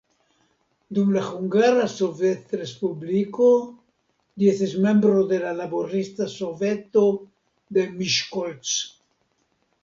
Dum la Hungara Sovetrespubliko, li estis membro de la laborista soveto de Miskolc.